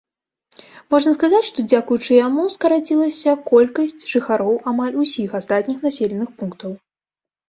Можна сказаць, што дзякуючы яму скарацілася колькасць жыхароў амаль усіх астатніх населеных пунктаў.